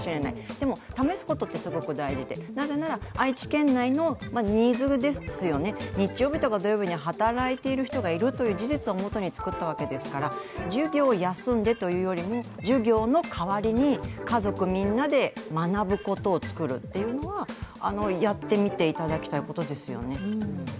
でも試すことってすごく大事でなぜなら愛知県内のニーズですよね、日曜日や土曜日に働いているという人がいる事実をもとに考えられたわけですから授業を休んでというよりも、授業の代わりに家族みんなで学ぶことを作るっていうのはやってみていただきたいことですよね。